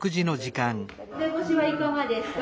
梅干しはいかがですか？